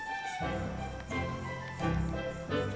dari tadi nentupin muka terus